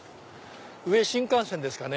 上新幹線ですかね。